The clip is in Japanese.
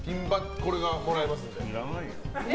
これがもらえますので。